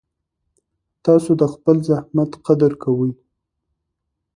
تاسو د خپل زحمت قدر کوئ.